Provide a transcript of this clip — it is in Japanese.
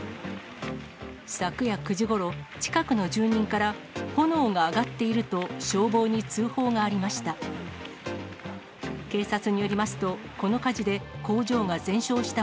昨夜９時ごろ、近くの住人から、炎が上がっていると消防に通報がありました。